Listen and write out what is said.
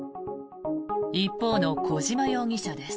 一方の小島容疑者です。